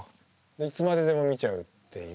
いつまででも見ちゃうっていう。